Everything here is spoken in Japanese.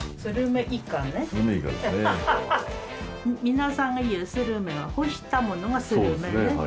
皆さんがいうスルメは干したものがスルメね。